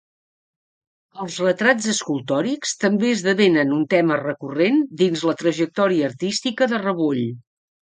Els retrats escultòrics també esdevenen un tema recurrent dins la trajectòria artística de Rebull.